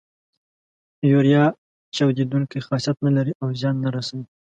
یوریا چاودیدونکی خاصیت نه لري او زیان نه رسوي.